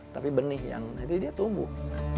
tapi benih yang nanti dia tumbuh